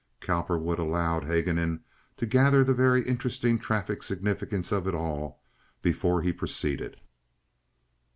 Cowperwood allowed Haguenin to gather the very interesting traffic significance of it all before he proceeded.